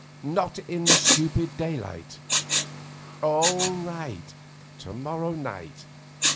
Not in the stupid daylight.' 'All right. To morrow night.